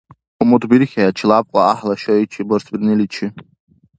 УмутбирхьехӀе челябкьла гӀяхӀла шайчи барсбирниличи.